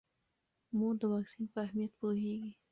مور د واکسین په اهمیت پوهیږي.